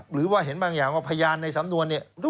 หรือเช่นของพยานในสำนวนนั้น